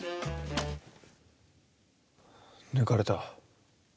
抜かれた。